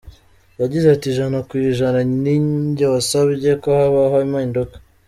Yagize ati:” Ijana ku ijana ninjye wasabye ko habaho impinduka.